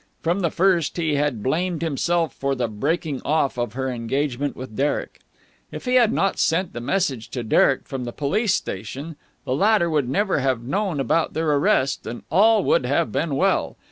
From the first he had blamed himself for the breaking off of her engagement with Derek. If he had not sent the message to Derek from the police station, the latter would never have known about their arrest, and all would have been well.